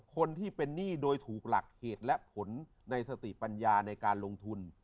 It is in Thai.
คนที่เป็นหนี้โดยถูกหลักเหตุและผลในสติปัญญาในการลงทุน